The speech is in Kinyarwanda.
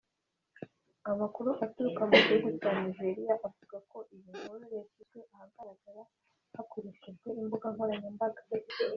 Amakuru aturuka mu gihugu cya Nigeria avuga ko iyi nkuru yashyizwe ahagaragara hakoreshajwe imbuga nkoranyambaga